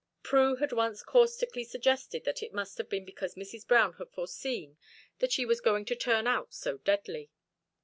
Prue had once caustically suggested that it must have been because Mrs. Brown had foreseen "that she was going to turn out so deadly."